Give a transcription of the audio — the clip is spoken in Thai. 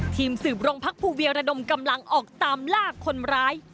ทีมสืบโรงพักภูเวียระดมกำลังออกตามลากคนร้าย